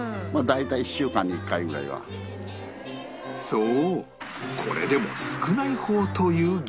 そうこれでも少ない方という行列